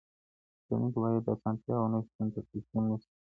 څېړونکی باید د اسانتیاوو نه شتون ته تسلیم نه سی.